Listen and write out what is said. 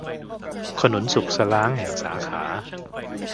ขนุนสุกสล้างแห่ง สาขา